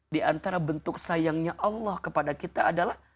diantara bentuk sayangnya allah kepada kita adalah